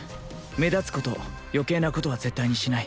目立つこと余計なことは絶対にしない